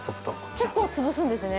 結構つぶすんですね。